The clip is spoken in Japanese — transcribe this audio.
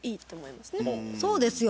そうですよ。